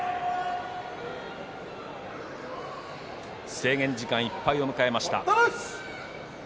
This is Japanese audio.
制限時間いっぱいを迎えました。